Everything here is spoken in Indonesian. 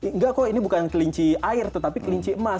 enggak kok ini bukan kelinci air tetapi kelinci emas